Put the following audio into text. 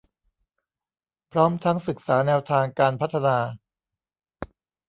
พร้อมทั้งศึกษาแนวทางการพัฒนา